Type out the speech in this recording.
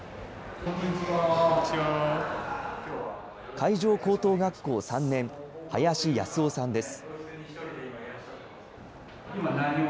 海城高等学校３年、林康生さんです。